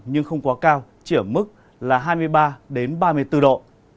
nhưng không quá cao chỉ ở mức là hai mươi ba đến ba mươi bốn độ